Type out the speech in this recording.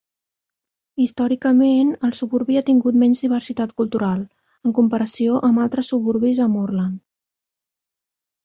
Històricament, el suburbi ha tingut menys diversitat cultural, en comparació amb altres suburbis a Moreland.